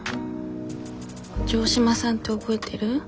城島さんって覚えてる？